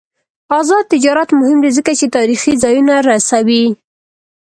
آزاد تجارت مهم دی ځکه چې تاریخي ځایونه رسوي.